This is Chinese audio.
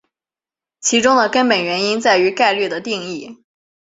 其中的根本原因在于概率的定义。